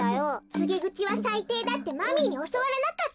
つげぐちはさいていだってマミーにおそわらなかった？